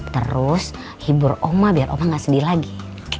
terus hibur oma biar opa gak sedih lagi